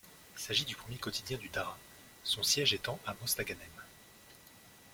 Il s'agit du premier quotidien du Dahra, son siège étant à Mostaganem.